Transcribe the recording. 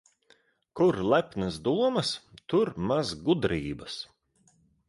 Kur lepnas domas, tur maz gudrības.